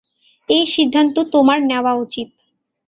এই সিদ্ধান্ত তোমার নেওয়া উচিৎ।